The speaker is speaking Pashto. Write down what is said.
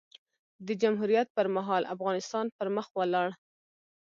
د جمهوریت پر مهال؛ افغانستان پر مخ ولاړ.